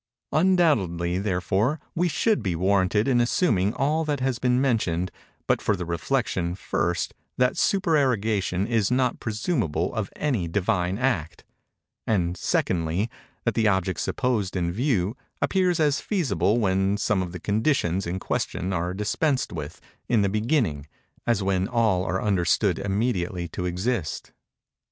Undoubtedly, therefore, we should be warranted in assuming all that has been mentioned, but for the reflection, first, that supererogation is not presumable of any Divine Act; and, secondly, that the object supposed in view, appears as feasible when some of the conditions in question are dispensed with, in the beginning, as when all are understood immediately to exist.